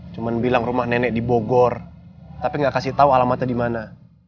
cuma bilang rumah nenek di bogor tapi nggak kasih tau alamata dimana